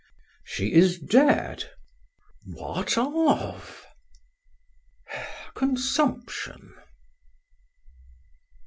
"She is dead." "What of?" "Consumption."